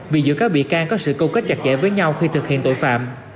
vì giữa các bị can có sự câu kết chặt chẽ với nhau khi thực hiện tội phạm